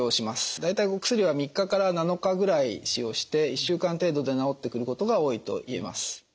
大体お薬は３日から７日ぐらい使用して１週間程度で治ってくることが多いといえます。